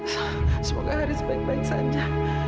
ya allah semoga haris baik baik saja